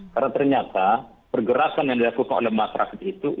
karena ternyata pergerakan yang dilakukan oleh masyarakat itu tidak akan berhasil berkesan